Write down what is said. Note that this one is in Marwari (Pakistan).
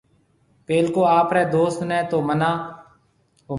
پيلڪو آپريَ دوست نَي تو مَنا